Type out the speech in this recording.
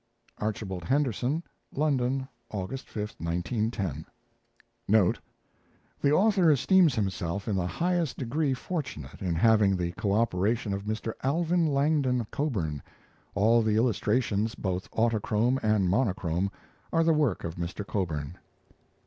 ARCHIBALD HENDERSON. LONDON, August 5, 1910. NOTE. The author esteems himself in the highest degree fortunate in having the co operation of Mr. Alvin Langdon Coburn. All the illustrations, both autochrome and monochrome, are the work of Mr. Coburn.